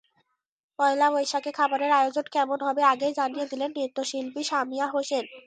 পয়লা বৈশাখে খাবারের আয়োজন কেমন হবে, আগেই জানিয়ে দিলেন নৃত্যশিল্পী সামিনা হোসেন।